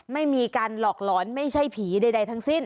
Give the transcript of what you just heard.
ไม่มีการหลอกหลอนไม่ใช่ผีใดทั้งสิ้น